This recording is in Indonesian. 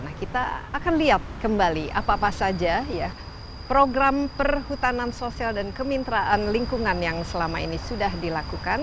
nah kita akan lihat kembali apa apa saja ya program perhutanan sosial dan kemitraan lingkungan yang selama ini sudah dilakukan